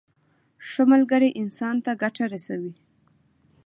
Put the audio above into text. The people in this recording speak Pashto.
ښه ملګری انسان ته ګټه رسوي.